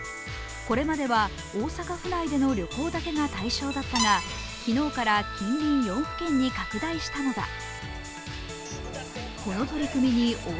これまでは大阪府内での旅行だけが対象だったが、昨日から近隣４府県に拡大したのだ。